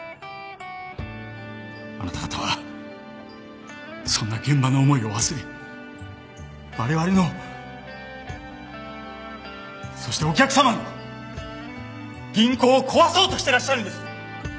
あなた方はそんな現場の思いを忘れ我々のそしてお客様の銀行を壊そうとしてらっしゃるんです！